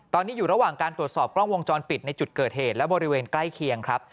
ตอนนี้อยู่ระหว่างการตรวจสอบกล้องวงจรปิดในจุดเกิดเหตุและบริเวณใกล้เคียงครับ